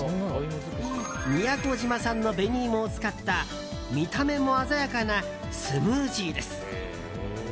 宮古島産の紅いもを使った見た目も鮮やかなスムージーです。